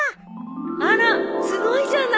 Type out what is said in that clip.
あらすごいじゃない！